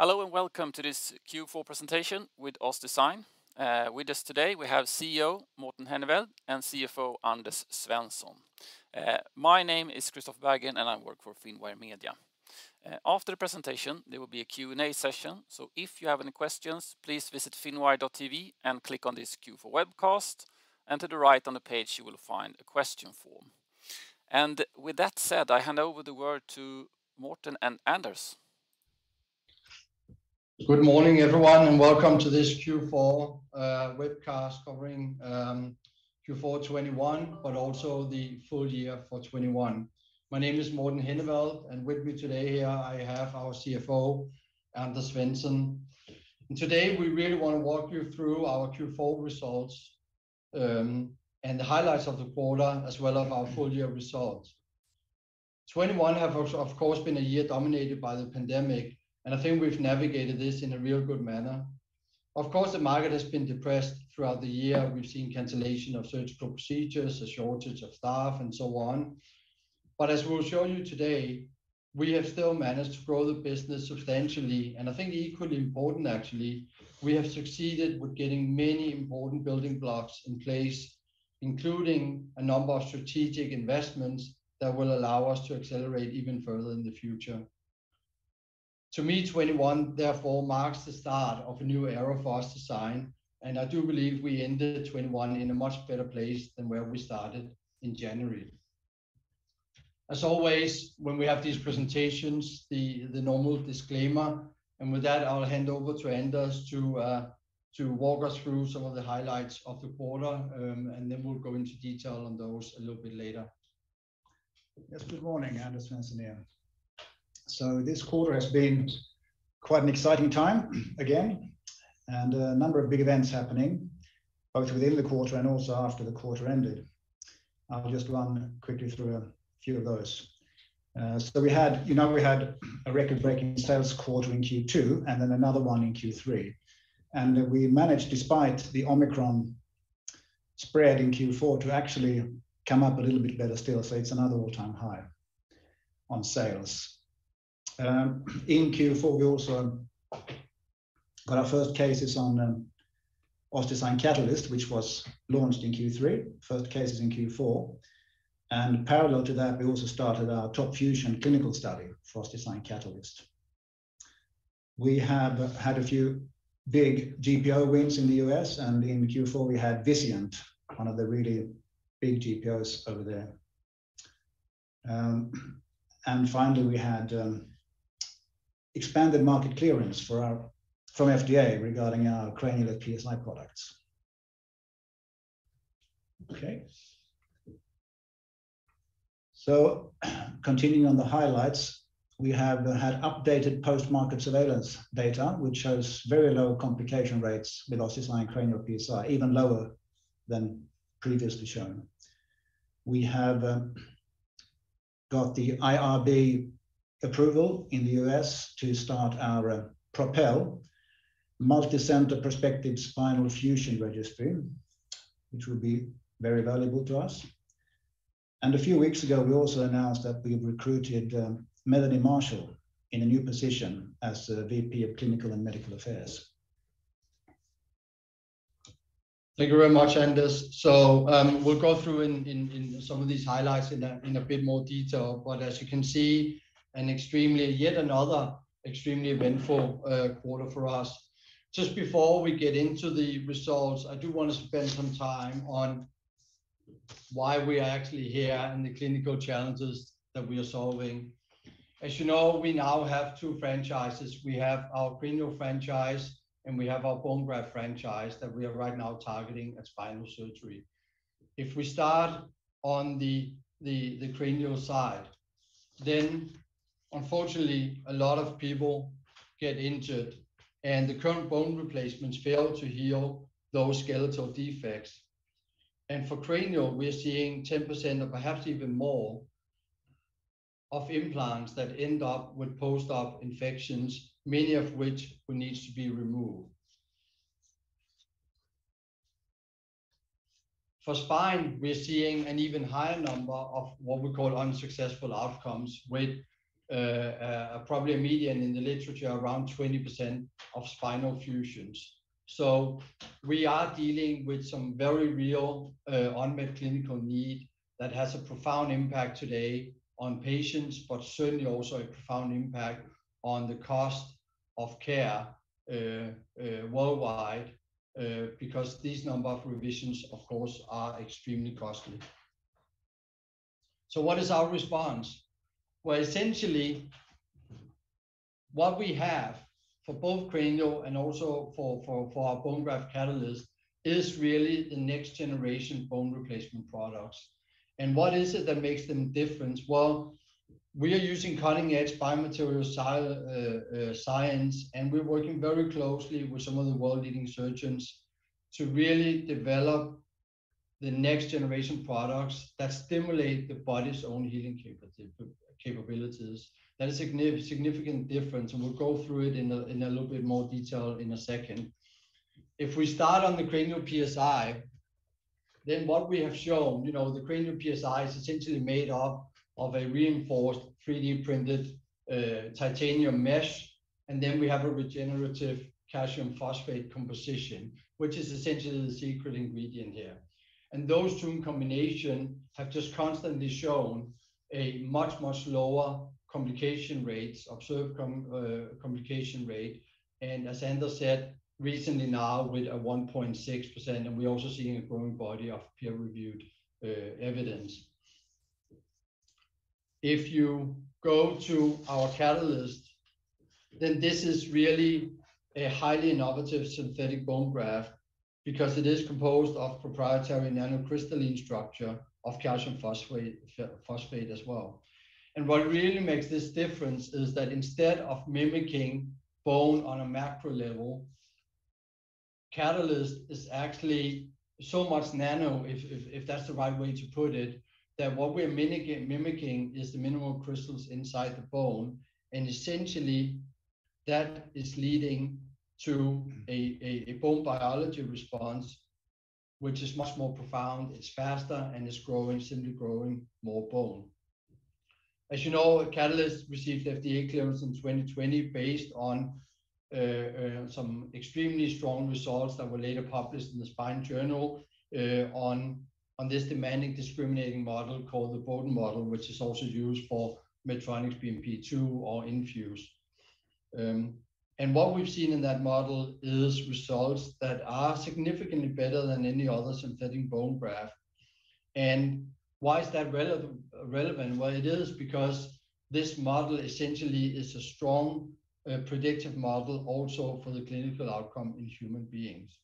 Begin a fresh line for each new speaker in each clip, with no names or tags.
Hello and welcome to this Q4 presentation with OssDsign. With us today we have CEO Morten Henneveld and CFO Anders Svensson. My name is Kristofer Berggren, and I work for Finwire Media. After the presentation there will be a Q&A session, so if you have any questions, please visit finwire.tv and click on this Q4 webcast. To the right on the page you will find a question form. With that said, I hand over the word to Morten and Anders.
Good morning everyone, and welcome to this Q4 webcast covering Q4 2021, but also the full year for 2021. My name is Morten Henneveld, and with me today here I have our CFO, Anders Svensson. Today we really want to walk you through our Q4 results, and the highlights of the quarter as well as our full year results. 2021 has, of course, been a year dominated by the pandemic, and I think we've navigated this in a real good manner. Of course, the market has been depressed throughout the year. We've seen cancellation of surgical procedures, a shortage of staff and so on. As we'll show you today, we have still managed to grow the business substantially. I think equally important actually, we have succeeded with getting many important building blocks in place, including a number of strategic investments that will allow us to accelerate even further in the future. To me, 2021 therefore marks the start of a new era for OssDsign, and I do believe we ended 2021 in a much better place than where we started in January. As always, when we have these presentations, the normal disclaimer. With that, I'll hand over to Anders to walk us through some of the highlights of the quarter, and then we'll go into detail on those a little bit later.
Yes, good morning. Anders Svensson here. This quarter has been quite an exciting time again, and a number of big events happening both within the quarter and also after the quarter ended. I'll just run quickly through a few of those. We had a record-breaking sales quarter in Q2 and then another one in Q3. We managed, despite the Omicron spread in Q4, to actually come up a little bit better still. It's another all-time high on sales. In Q4 we also got our first cases on OssDsign Catalyst, which was launched in Q3. First cases in Q4. Parallel to that, we also started our TOP FUSION clinical study for OssDsign Catalyst. We have had a few big GPO wins in the U.S. and in Q4 we had Vizient, one of the really big GPOs over there. And finally, we had expanded market clearance from FDA regarding our Cranial PSI products. Continuing on the highlights. We have had updated post-market surveillance data, which shows very low complication rates with OssDsign Cranial PSI, even lower than previously shown. We have got the IRB approval in the U.S. to start our PROPEL multicenter prospective spinal fusion registry, which will be very valuable to us. A few weeks ago, we also announced that we have recruited Melanie Marshall in a new position as the VP of Clinical and Medical Affairs.
Thank you very much, Anders. We'll go through in some of these highlights in a bit more detail. As you can see, yet another extremely eventful quarter for us. Just before we get into the results, I do want to spend some time on why we are actually here and the clinical challenges that we are solving. As you know, we now have two franchises. We have our cranial franchise, and we have our bone graft franchise that we are right now targeting at spinal surgery. If we start on the cranial side, unfortunately a lot of people get injured and the current bone replacements fail to heal those skeletal defects. For cranial, we're seeing 10% or perhaps even more of implants that end up with post-op infections, many of which will need to be removed. For spine, we're seeing an even higher number of what we call unsuccessful outcomes, with probably a median in the literature around 20% of spinal fusions. We are dealing with some very real unmet clinical need that has a profound impact today on patients, but certainly also a profound impact on the cost of care worldwide, because these numbers of revisions, of course, are extremely costly. What is our response? Essentially what we have for both cranial and also for our bone graft Catalyst is really the next generation bone replacement products. What is it that makes them different? Well, we are using cutting-edge biomaterial science, and we're working very closely with some of the world-leading surgeons to really develop the next generation products that stimulate the body's own healing capabilities. That is significant difference, and we'll go through it in a little bit more detail in a second. If we start on the Cranial PSI, what we have shown, you know, the Cranial PSI is essentially made up of a reinforced 3D-printed titanium mesh, and then we have a regenerative calcium phosphate composition, which is essentially the secret ingredient here. Those two in combination have just constantly shown a much lower observed complication rate. As Anders said, recently now with a 1.6%, and we're also seeing a growing body of peer-reviewed evidence. If you go to our Catalyst, this is really a highly innovative synthetic bone graft because it is composed of proprietary nanocrystalline structure of calcium phosphate as well. What really makes this difference is that instead of mimicking bone on a macro level, Catalyst is actually so much nano, if that's the right way to put it, that what we're mimicking is the mineral crystals inside the bone. Essentially, that is leading to a bone biology response which is much more profound, it's faster, and it's growing, simply growing more bone. As you know, Catalyst received FDA clearance in 2020 based on some extremely strong results that were later published in The Spine Journal, on this demanding discriminating model called the Boden model, which is also used for Medtronic's BMP-2 or Infuse. What we've seen in that model is results that are significantly better than any other synthetic bone graft. Why is that relevant? Well, it is because this model essentially is a strong predictive model also for the clinical outcome in human beings.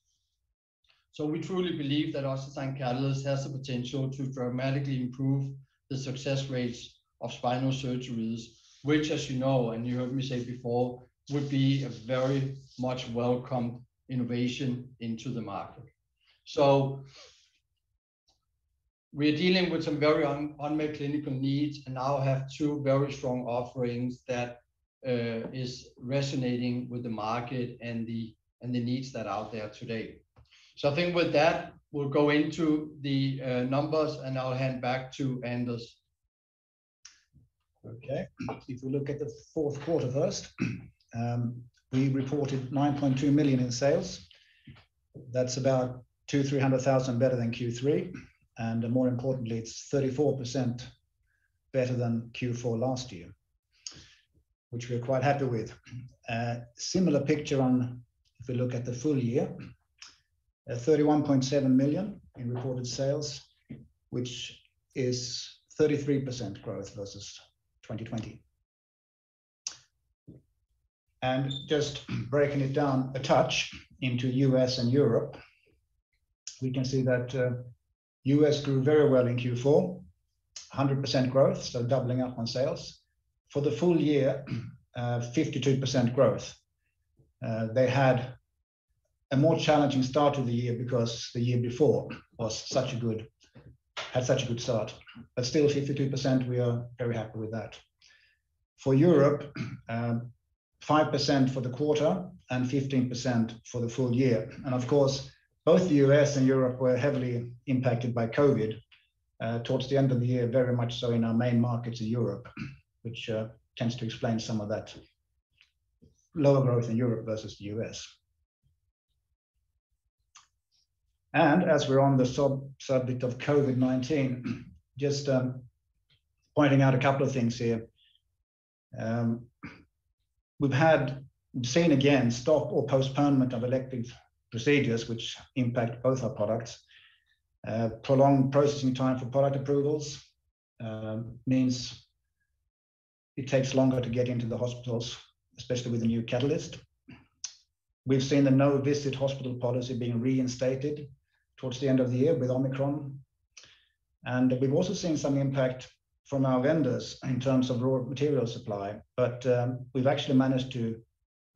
We truly believe that OssDsign Catalyst has the potential to dramatically improve the success rates of spinal surgeries, which as you know, and you heard me say before, would be a very much welcomed innovation into the market. We're dealing with some very unmet clinical needs and now have two very strong offerings that is resonating with the market and the needs that are out there today. I think with that, we'll go into the numbers, and I'll hand back to Anders.
Okay. If we look at the fourth quarter first, we reported 9.2 million in sales. That's about 200,000-300,000 better than Q3. More importantly, it's 34% better than Q4 last year, which we're quite happy with. Similar picture if we look at the full year, 31.7 million in reported sales, which is 33% growth versus 2020. Just breaking it down a touch into U.S. and Europe, we can see that, U.S. grew very well in Q4, 100% growth, so doubling up on sales. For the full year, 52% growth. They had a more challenging start of the year because the year before had such a good start. Still 52%, we are very happy with that. For Europe, 5% for the quarter and 15% for the full year. Of course, both the U.S. and Europe were heavily impacted by COVID towards the end of the year, very much so in our main markets in Europe, which tends to explain some of that lower growth in Europe versus the U.S. As we're on the subject of COVID-19, just pointing out a couple of things here. We've seen again stops or postponement of elective procedures which impact both our products. Prolonged processing time for product approvals means it takes longer to get into the hospitals, especially with the new Catalyst. We've seen the no-visit hospital policy being reinstated towards the end of the year with Omicron. We've also seen some impact from our vendors in terms of raw material supply. We've actually managed to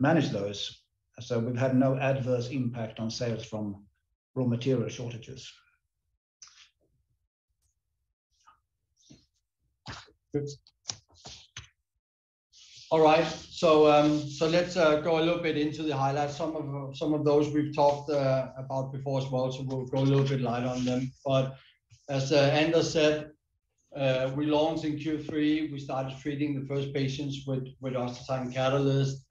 manage those, so we've had no adverse impact on sales from raw material shortages.
Good. All right. Let's go a little bit into the highlights. Some of those we've talked about before as well, so we'll go a little bit light on them. As Anders said, we launched in Q3. We started treating the first patients with OssDsign Catalyst.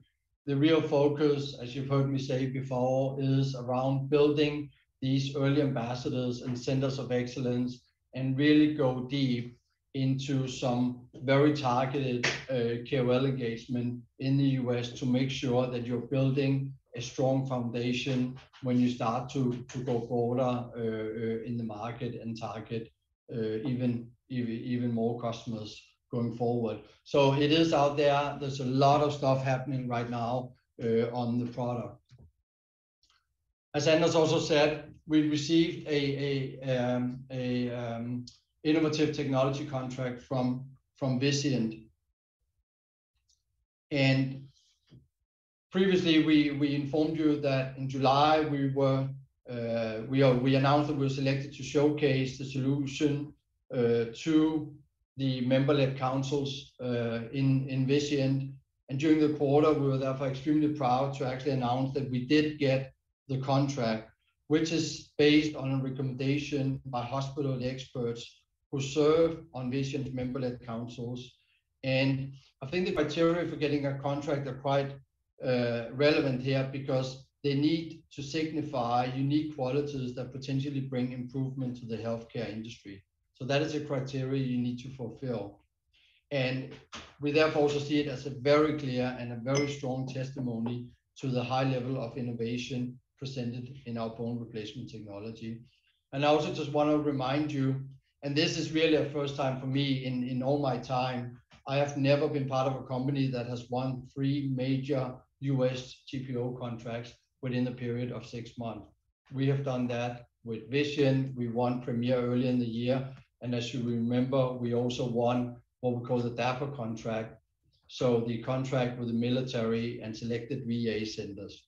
The real focus, as you've heard me say before, is around building these early ambassadors and centers of excellence and really go deep into some very targeted care engagement in the U.S. to make sure that you're building a strong foundation when you start to go broader in the market and target even more customers going forward. It is out there. There's a lot of stuff happening right now on the product. As Anders also said, we received an innovative technology contract from Vizient. Previously, we informed you that in July we announced that we were selected to showcase the solution to the member-led councils in Vizient. During the quarter, we were therefore extremely proud to actually announce that we did get the contract, which is based on a recommendation by hospitals and experts who serve on Vizient's member-led councils. I think the criteria for getting a contract are quite relevant here because they need to signify unique qualities that potentially bring improvement to the healthcare industry. That is a criteria you need to fulfill. We therefore also see it as a very clear and a very strong testimony to the high level of innovation presented in our bone replacement technology. I also just want to remind you, and this is really a first time for me in all my time, I have never been part of a company that has won three major U.S. GPO contracts within a period of six months. We have done that with Vizient. We won Premier earlier in the year. As you remember, we also won what we call the DAPA contract, so the contract with the military and selected VA centers.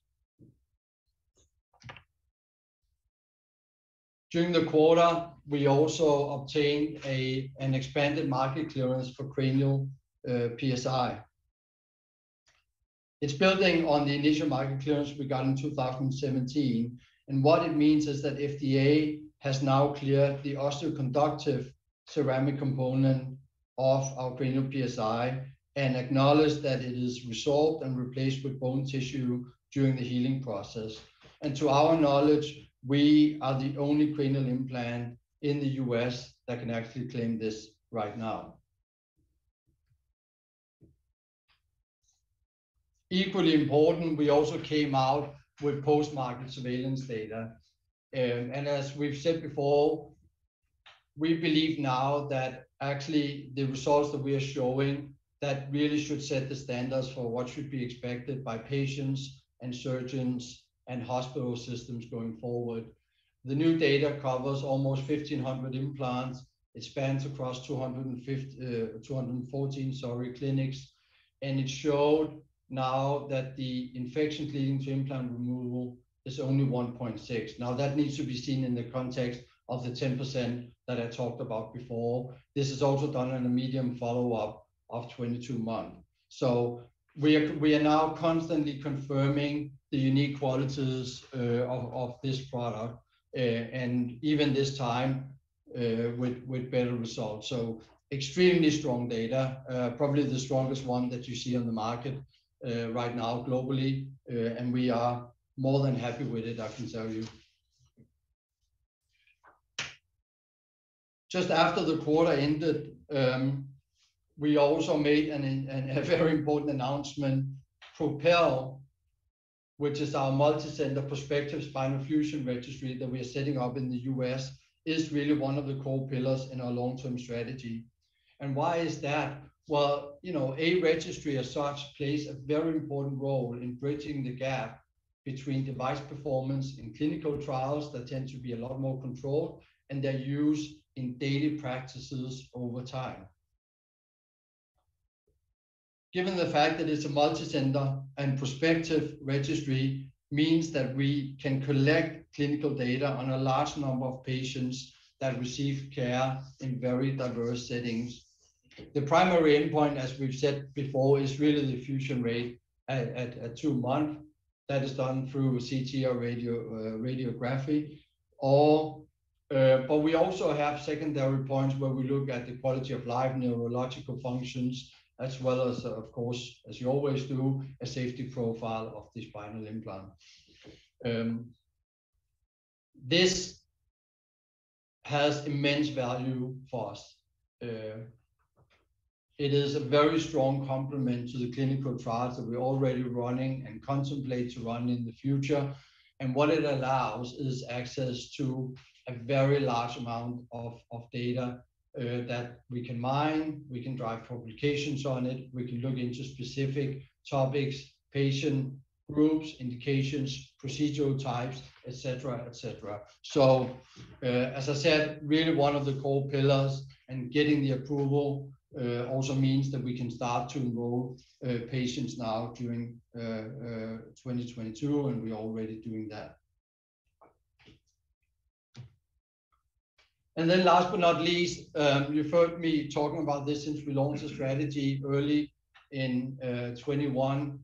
During the quarter, we also obtained an expanded market clearance for Cranial PSI. It's building on the initial market clearance we got in 2017. What it means is that FDA has now cleared the osteoconductive ceramic component of our Cranial PSI and acknowledged that it is resolved and replaced with bone tissue during the healing process. To our knowledge, we are the only cranial implant in the U.S. that can actually claim this right now. Equally important, we also came out with post-market surveillance data. As we've said before, we believe now that actually the results that we are showing that really should set the standards for what should be expected by patients and surgeons and hospital systems going forward. The new data covers almost 1,500 implants. It spans across 214 clinics. It showed now that the infections leading to implant removal is only 1.6. That needs to be seen in the context of the 10% that I talked about before. This is also done on a median follow-up of 22 months. We are now constantly confirming the unique qualities of this product and even this time with better results. Extremely strong data, probably the strongest one that you see on the market right now globally. And we are more than happy with it, I can tell you. Just after the quarter ended, we also made a very important announcement. PROPEL, which is our multi-center prospective spinal fusion registry that we are setting up in the U.S., is really one of the core pillars in our long-term strategy. Why is that? Well, you know, a registry as such plays a very important role in bridging the gap between device performance in clinical trials that tend to be a lot more controlled, and they're used in daily practices over time. Given the fact that it's a multi-center and prospective registry means that we can collect clinical data on a large number of patients that receive care in very diverse settings. The primary endpoint, as we've said before, is really the fusion rate at two months that is done through CT or radiography. But we also have secondary points where we look at the quality of life, neurological functions, as well as, of course, as you always do, a safety profile of the spinal implant. This has immense value for us. It is a very strong complement to the clinical trials that we're already running and contemplate to run in the future. What it allows is access to a very large amount of data that we can mine, we can drive publications on it, we can look into specific topics, patient groups, indications, procedural types, et cetera, et cetera. As I said, really one of the core pillars and getting the approval also means that we can start to enroll patients now during 2022, and we're already doing that. Last but not least, you've heard me talking about this since we launched the strategy early in 2021.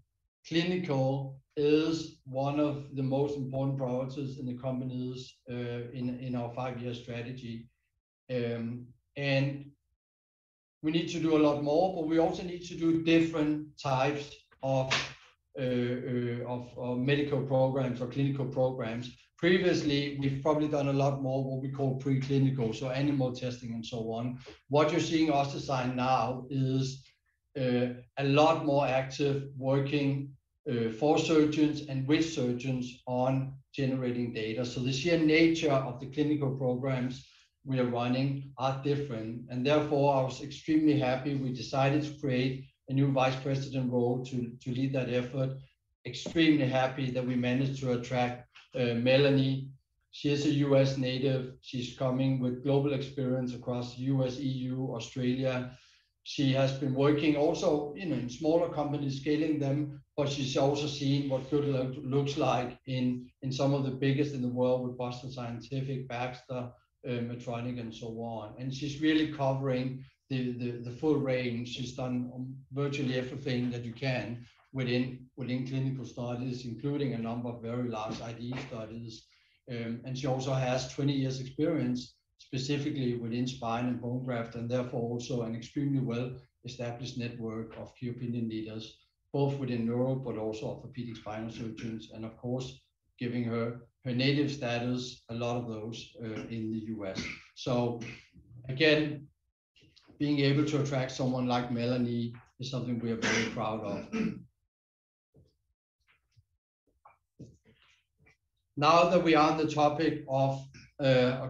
Clinical is one of the most important priorities in the company's, in our five-year strategy. We need to do a lot more, but we also need to do different types of medical programs or clinical programs. Previously, we've probably done a lot more what we call pre-clinical, so animal testing and so on. What you're seeing us design now is a lot more active working for surgeons and with surgeons on generating data. So the sheer nature of the clinical programs we are running are different, and therefore I was extremely happy we decided to create a new vice president role to lead that effort. Extremely happy that we managed to attract Melanie. She is a U.S. native. She's coming with global experience across U.S., EU, Australia. She has been working also, you know, in smaller companies scaling them, but she's also seen what good looks like in some of the biggest in the world with Boston Scientific, Baxter, Medtronic, and so on. She's really covering the full range. She's done virtually everything that you can within clinical studies, including a number of very large IDE studies. She also has 20 years experience specifically within spine and bone graft, and therefore also an extremely well-established network of key opinion leaders, both within neuro but also orthopedic spinal surgeons, and of course, giving her native status a lot of those in the U.S. Being able to attract someone like Melanie is something we are very proud of. Now that we are on the topic of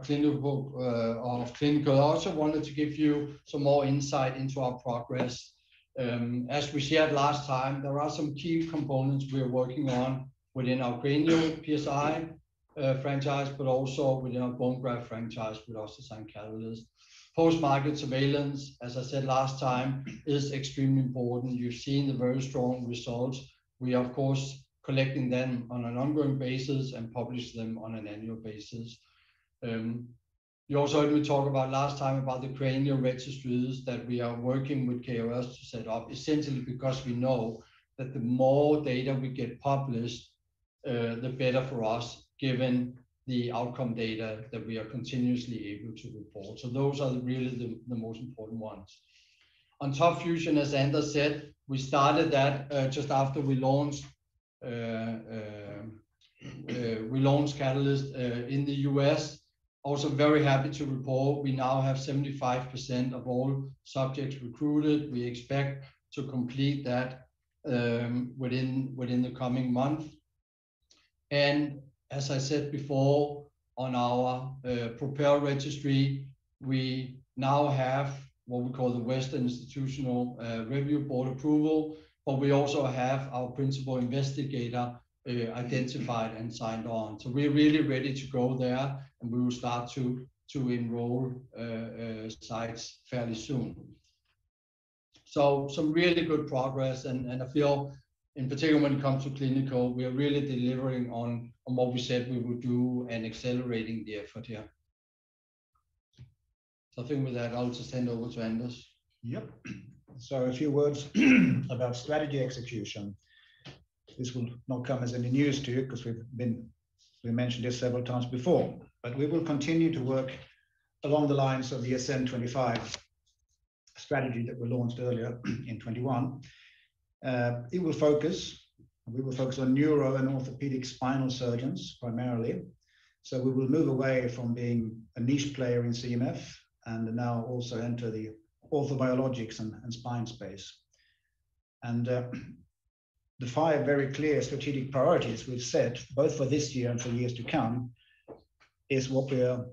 clinical, I also wanted to give you some more insight into our progress. As we shared last time, there are some key components we are working on within our Cranial PSI franchise, but also within our bone graft franchise with OssDsign Catalyst. Post-market surveillance, as I said last time, is extremely important. You've seen the very strong results. We are of course collecting them on an ongoing basis and publish them on an annual basis. You also heard me talk about last time about the cranial registries that we are working with KOS to set up, essentially because we know that the more data we get published, the better for us, given the outcome data that we are continuously able to report. Those are really the most important ones. On TOP FUSION, as Anders said, we started that just after we launched Catalyst in the U.S. Also very happy to report we now have 75% of all subjects recruited. We expect to complete that within the coming month. As I said before, on our PROPEL registry, we now have what we call the Western Institutional Review Board approval, but we also have our principal investigator identified and signed on. We're really ready to go there, and we will start to enroll sites fairly soon. Some really good progress. I feel in particular when it comes to clinical, we are really delivering on what we said we would do and accelerating the effort here. I think with that, I'll just hand over to Anders.
Yep. A few words about strategy execution. This will not come as any news to you because we mentioned this several times before, but we will continue to work along the lines of the ASCENT25 strategy that we launched earlier in 2021. We will focus on neuro and orthopedic spinal surgeons primarily. We will move away from being a niche player in CMF and now also enter the orthobiologics and spine space. The five very clear strategic priorities we've set, both for this year and for years to come, is what we're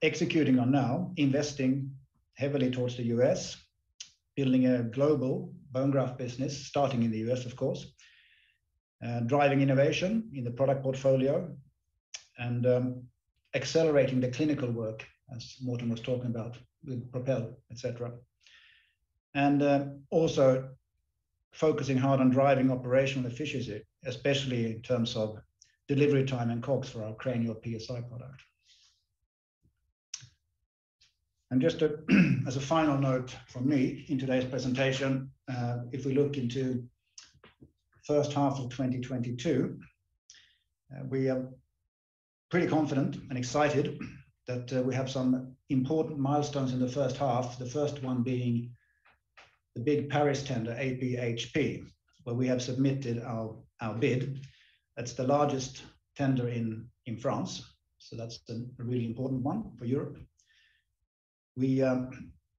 executing on now, investing heavily towards the U.S., building a global bone graft business, starting in the U.S. of course, driving innovation in the product portfolio and accelerating the clinical work, as Morten was talking about with PROPEL, et cetera. also focusing hard on driving operational efficiency, especially in terms of delivery time and costs for our Cranial PSI product. Just as a final note from me in today's presentation, if we look into first half of 2022, we are pretty confident and excited that we have some important milestones in the first half. The first one being the big Paris tender, AP-HP, where we have submitted our bid. That's the largest tender in France, so that's a really important one for Europe. We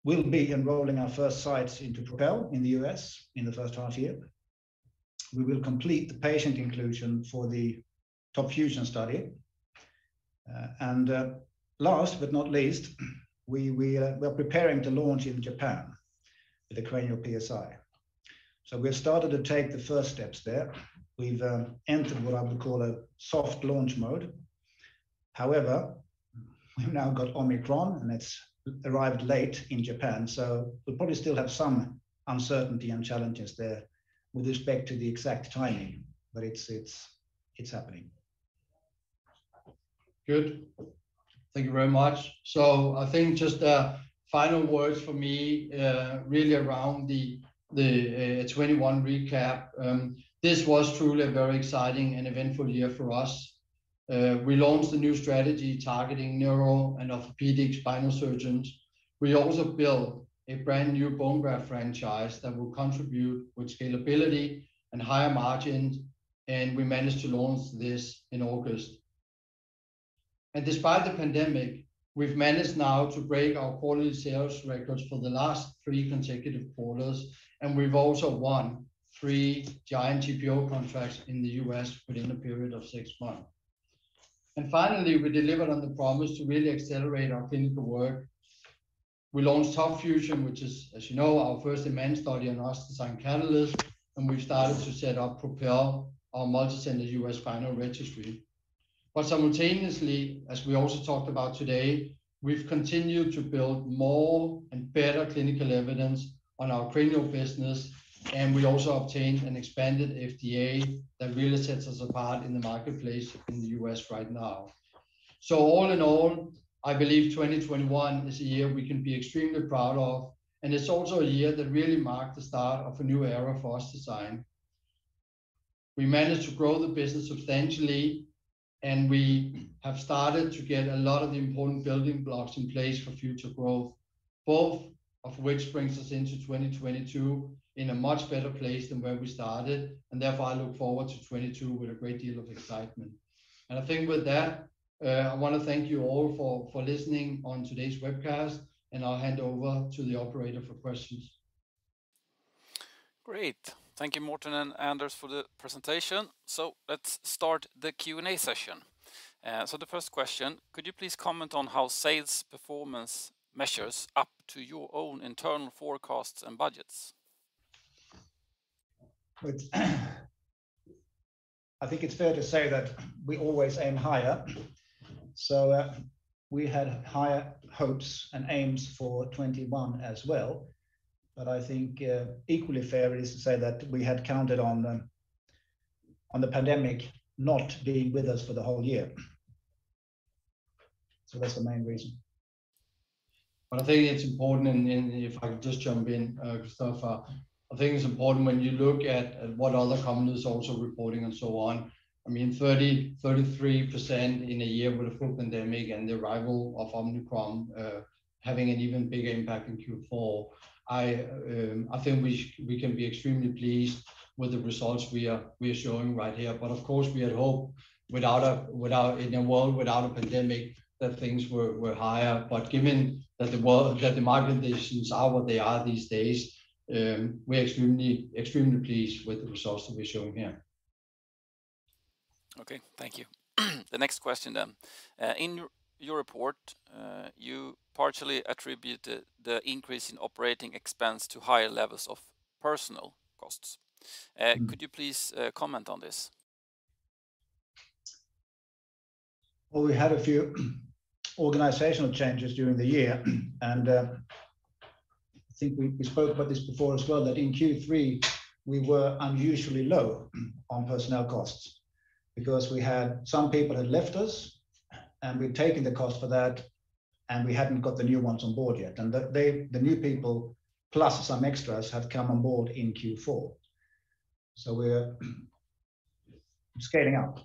will be enrolling our first sites into PROPEL in the U.S. in the first half year. We will complete the patient inclusion for the TOP FUSION study. Last but not least, we're preparing to launch in Japan with the Cranial PSI. We've started to take the first steps there. We've entered what I would call a soft launch mode. However, we've now got Omicron, and it's arrived late in Japan, so we'll probably still have some uncertainty and challenges there with respect to the exact timing. It's happening.
Good. Thank you very much. I think just final words for me, really around the 2021 recap. This was truly a very exciting and eventful year for us. We launched a new strategy targeting neuro and orthopedic spinal surgeons. We also built a brand-new bone graft franchise that will contribute with scalability and higher margins, and we managed to launch this in August. Despite the pandemic, we've managed now to break our quarterly sales records for the last three consecutive quarters, and we've also won three giant GPO contracts in the U.S. within a period of six months. Finally, we delivered on the promise to really accelerate our clinical work. We launched TOP FUSION, which is, as you know, our first in-man study on OssDsign Catalyst, and we've started to set up PROPEL, our multi-center U.S. spinal registry. Simultaneously, as we also talked about today, we've continued to build more and better clinical evidence on our cranial business, and we also obtained an expanded FDA that really sets us apart in the marketplace in the U.S. right now. All in all, I believe 2021 is a year we can be extremely proud of, and it's also a year that really marked the start of a new era for OssDsign. We managed to grow the business substantially, and we have started to get a lot of the important building blocks in place for future growth, both of which brings us into 2022 in a much better place than where we started. Therefore, I look forward to 2022 with a great deal of excitement. I think with that, I wanna thank you all for listening on today's webcast, and I'll hand over to the operator for questions.
Great. Thank you, Morten and Anders for the presentation. Let's start the Q&A session. The first question, could you please comment on how sales performance measures up to your own internal forecasts and budgets?
I think it's fair to say that we always aim higher. We had higher hopes and aims for 2021 as well. I think equally fair is to say that we had counted on the pandemic not being with us for the whole year. That's the main reason.
I think it's important, and if I could just jump in, Christoph. I think it's important when you look at what other companies also reporting and so on. I mean, 33% in a year with a full pandemic and the arrival of Omicron having an even bigger impact in Q4. I think we can be extremely pleased with the results we are showing right here. Of course, we had hoped in a world without a pandemic, that things were higher. Given that the market conditions are what they are these days, we're extremely pleased with the results that we're showing here.
Okay. Thank you. The next question. In your report, you partially attribute the increase in operating expense to higher levels of personnel costs. Could you please comment on this?
Well, we had a few organizational changes during the year, and I think we spoke about this before as well, that in Q3 we were unusually low on personnel costs because some people had left us, and we'd taken the cost for that, and we hadn't got the new ones on board yet. The new people, plus some extras, have come on board in Q4. We're scaling up.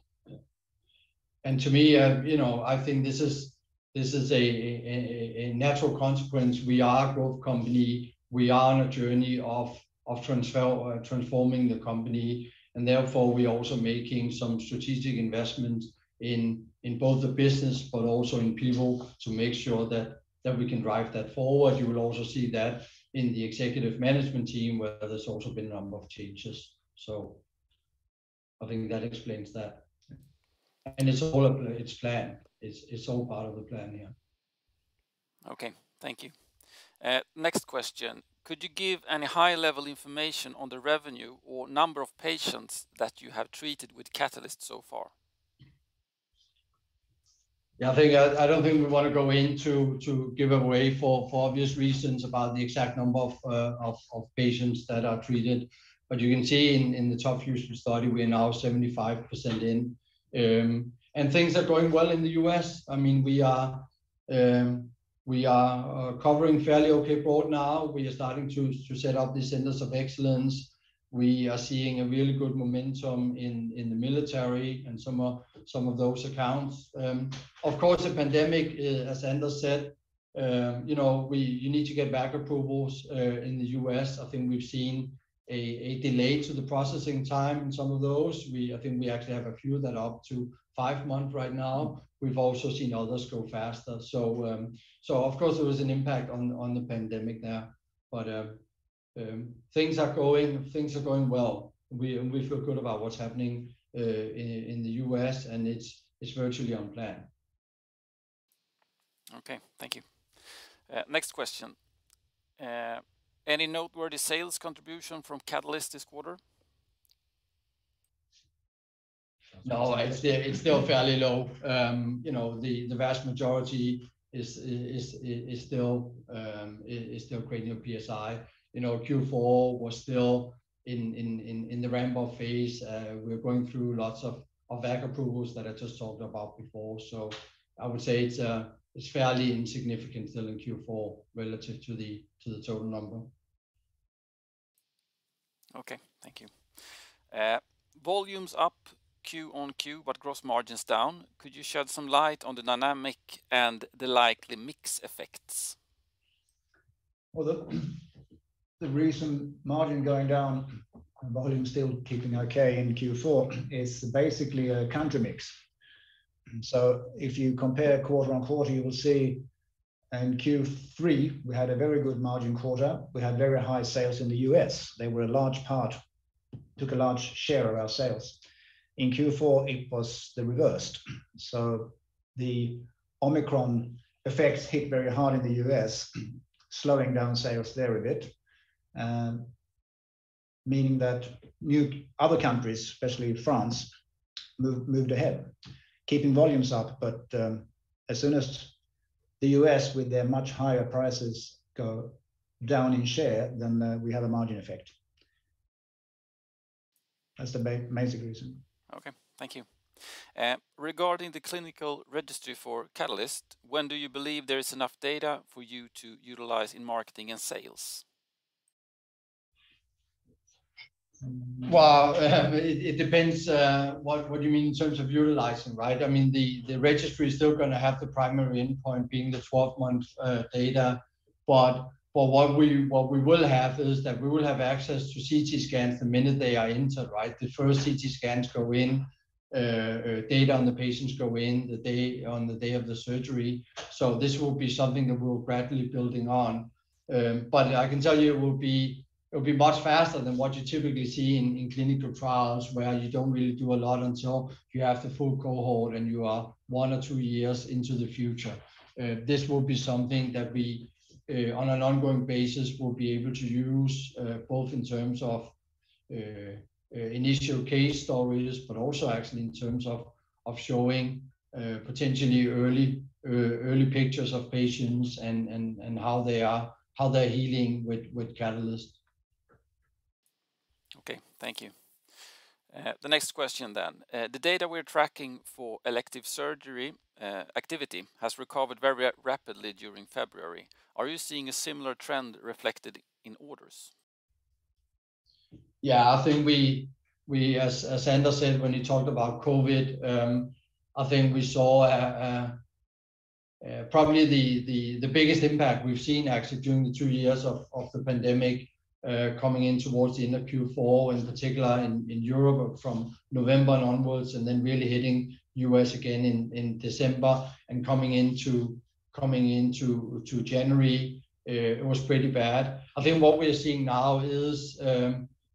To me, I think this is a natural consequence. We are a growth company. We are on a journey of transforming the company, and therefore we're also making some strategic investments in both the business but also in people to make sure that we can drive that forward. You will also see that in the executive management team, where there's also been a number of changes. I think that explains that.
It's all planned. It's all part of the plan, yeah.
Okay. Thank you. Next question. Could you give any high-level information on the revenue or number of patients that you have treated with Catalyst so far?
I think I don't think we want to go into giving away for obvious reasons about the exact number of patients that are treated. You can see in the TOP FUSION study, we are now 75% in, and things are going well in the U.S. I mean, we are covering fairly okay broad now. We are starting to set up these centers of excellence. We are seeing a really good momentum in the military and some of those accounts. Of course, the pandemic, as Anders said, you know, you need to get VAC approvals in the U.S. I think we've seen a delay in the processing time in some of those. I think we actually have a few that are up to 5 months right now. We've also seen others go faster. Of course there was an impact on the pandemic there. Things are going well. We feel good about what's happening in the U.S., and it's virtually on plan.
Okay. Thank you. Next question. Any noteworthy sales contribution from Catalyst this quarter?
No, it's still fairly low. You know, the vast majority is still Cranial PSI. You know, Q4 was still in the ramp-up phase. We're going through lots of VAC approvals that I just talked about before. I would say it's fairly insignificant still in Q4 relative to the total number.
Okay. Thank you. Volumes up Q-on-Q, but gross margins down. Could you shed some light on the dynamic and the likely mix effects?
The recent margin going down and volume still keeping okay in Q4 is basically a country mix. If you compare quarter-over-quarter, you will see in Q3 we had a very good margin quarter. We had very high sales in the U.S. They were a large part, took a large share of our sales. In Q4, it was the reverse. The Omicron effects hit very hard in the U.S., slowing down sales there a bit. Meaning that other countries, especially France, moved ahead, keeping volumes up. As soon as the U.S. with their much higher prices go down in share, then we have a margin effect. That's the main reason.
Okay. Thank you. Regarding the clinical registry for Catalyst, when do you believe there is enough data for you to utilize in marketing and sales?
Well, it depends what you mean in terms of utilizing, right? I mean, the registry is still gonna have the primary endpoint being the 12-month data. What we will have is that we will have access to CT scans the minute they are entered, right? The first CT scans go in, data on the patients go in on the day of the surgery. This will be something that we're gradually building on. I can tell you it will be, it'll be much faster than what you typically see in clinical trials where you don't really do a lot until you have the full cohort and you are one or two years into the future. This will be something that we, on an ongoing basis, will be able to use, both in terms of initial case stories, but also actually in terms of showing potentially early pictures of patients and how they're healing with Catalyst.
Okay. Thank you. The next question then. The data we're tracking for elective surgery activity has recovered very rapidly during February. Are you seeing a similar trend reflected in orders?
Yeah. I think we. As Anders said when he talked about COVID, I think we saw probably the biggest impact we've seen actually during the two years of the pandemic, coming in towards the end of Q4, in particular in Europe from November onwards, and then really hitting the U.S. again in December. Coming into January, it was pretty bad. I think what we are seeing now is,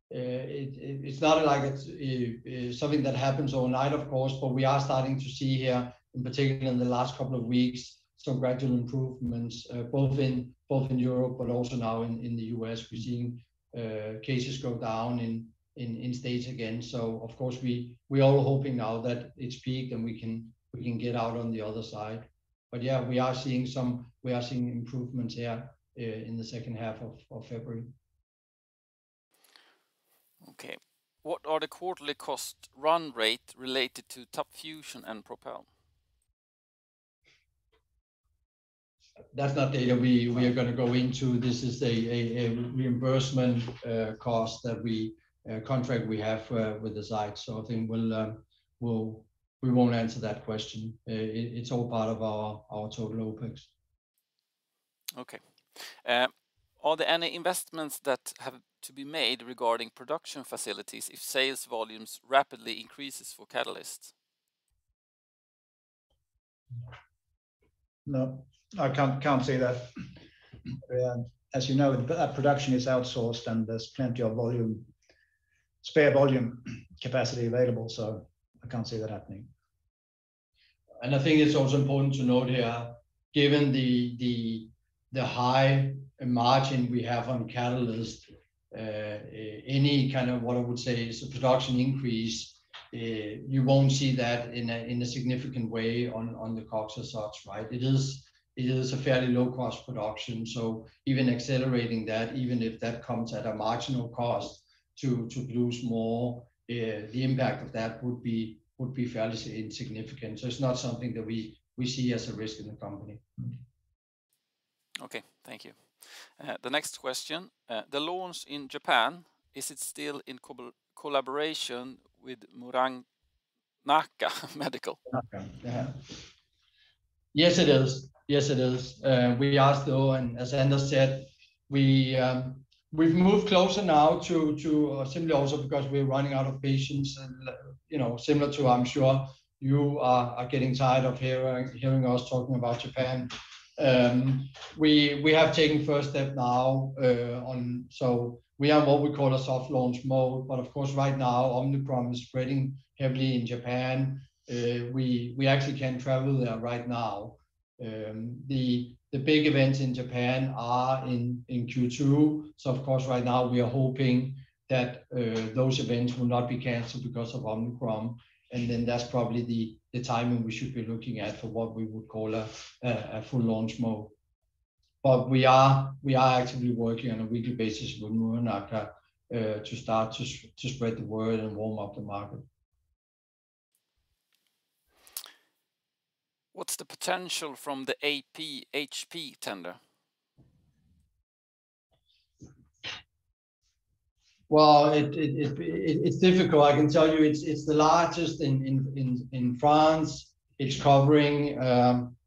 it's not like it's something that happens overnight of course, but we are starting to see here, in particular in the last couple of weeks, some gradual improvements, both in Europe but also now in the U.S. We're seeing cases go down in states again. Of course we all hoping now that it's peaked and we can get out on the other side. Yeah, we are seeing improvements here in the second half of February.
Okay. What are the quarterly cost run rate related to TOP FUSION and PROPEL?
That's not data we are gonna go into. This is a reimbursement cost that we have with the site. I think we won't answer that question. It's all part of our total OpEx.
Okay, are there any investments that have to be made regarding production facilities if sales volumes rapidly increases for Catalysts?
No, I can't see that. As you know, the production is outsourced, and there's plenty of volume, spare volume capacity available, so I can't see that happening.
I think it's also important to note here, given the high margin we have on Catalyst, any kind of what I would say is a production increase, you won't see that in a significant way on the COGS as such, right? It is a fairly low cost production. So even accelerating that, even if that comes at a marginal cost to produce more, the impact of that would be fairly insignificant. So it's not something that we see as a risk in the company.
Okay. Thank you. The next question. The launch in Japan, is it still in collaboration with Muranaka Medical?
Muranaka. Yeah. Yes, it is. We are still. As Anders said, we've moved closer now. Simply also because we're running out of patience and, you know, similar to I'm sure you are, getting tired of hearing us talking about Japan. We have taken first step now. We have what we call a soft launch mode. Of course right now Omicron is spreading heavily in Japan. We actually can't travel there right now. The big events in Japan are in Q2. Of course right now we are hoping that those events will not be canceled because of Omicron. Then that's probably the timing we should be looking at for what we would call a full launch mode. We are actively working on a weekly basis with Muranaka to spread the word and warm up the market.
What's the potential from the AP-HP tender?
Well, it's difficult. I can tell you it's the largest in France. It's covering,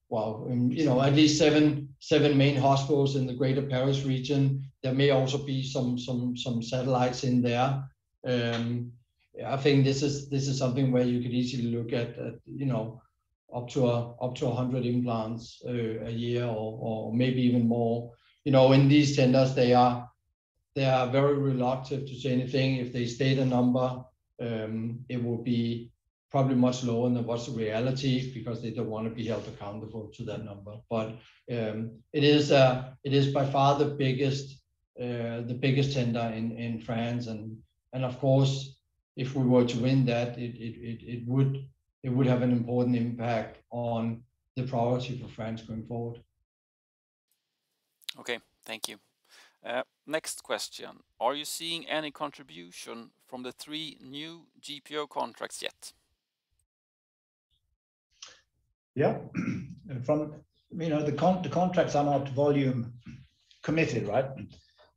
well, you know, at least seven main hospitals in the greater Paris region. There may also be some satellites in there. I think this is something where you could easily look at, you know, up to 100 implants a year or maybe even more. You know, in these tenders they are very reluctant to say anything. If they state a number, it will be probably much lower than what's the reality because they don't want to be held accountable to that number. It is by far the biggest tender in France. Of course, if we were to win that, it would have an important impact on the priority for France going forward.
Okay. Thank you. Next question. Are you seeing any contribution from the three new GPO contracts yet?
Yeah. You know, the contracts are not volume committed, right?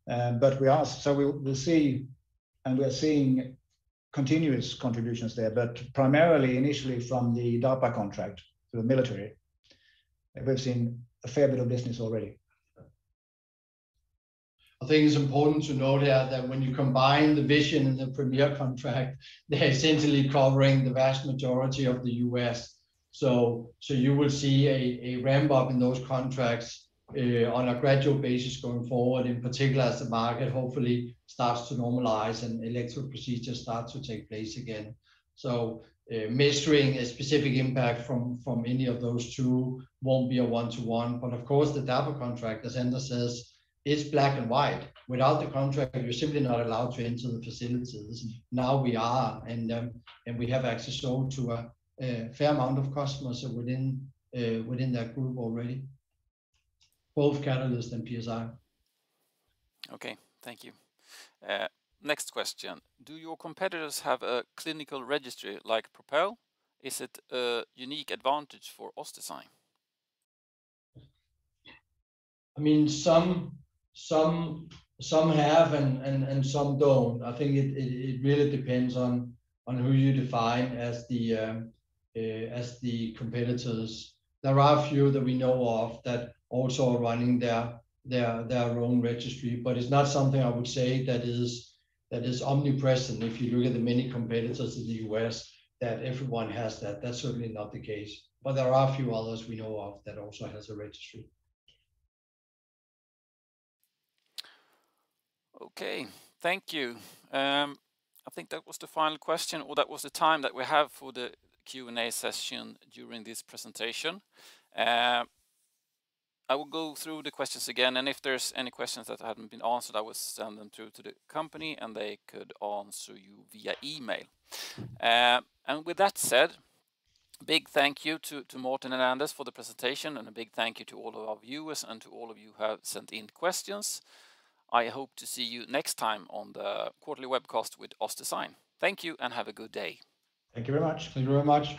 We'll see, and we are seeing continuous contributions there, but primarily initially from the DARPA contract to the military. We've seen a fair bit of business already.
I think it's important to note here that when you combine the Vizient and the Premier contract, they're essentially covering the vast majority of the U.S. You will see a ramp up in those contracts on a gradual basis going forward, in particular as the market hopefully starts to normalize and elective procedures start to take place again. Measuring a specific impact from any of those two won't be a one-to-one. Of course, the DAPA contract, as Anders says, is black and white. Without the contract, you're simply not allowed to enter the facilities. Now we are, and we have access now to a fair amount of customers within that group already, both Catalyst and PSI.
Okay. Thank you. Next question. Do your competitors have a clinical registry like PROPEL? Is it a unique advantage for OssDsign?
I mean, some have and some don't. I think it really depends on who you define as the competitors. There are a few that we know of that also are running their own registry, but it's not something I would say that is omnipresent. If you look at the many competitors in the U.S. that everyone has that's certainly not the case. There are a few others we know of that also has a registry.
Okay. Thank you. I think that was the final question, or that was the time that we have for the Q&A session during this presentation. I will go through the questions again, and if there's any questions that haven't been answered, I will send them through to the company, and they could answer you via email. With that said, big thank you to Morten and Anders for the presentation and a big thank you to all of our viewers and to all of you who have sent in questions. I hope to see you next time on the quarterly webcast with OssDsign. Thank you and have a good day.
Thank you very much.
Thank you very much.